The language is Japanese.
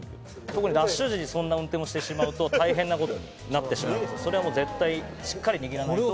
特にラッシュ時にそんな運転をしてしまうと、大変なことになってしまうので、それはもう絶対、しっかり握らないと。